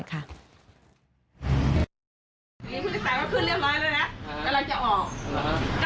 หมายคือหน้าอาจจะยื่นมาเยอะนะ